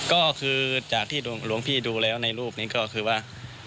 ก็คือจากที่หลวงพี่ดูแล้วในรูปนี้ก็คือว่า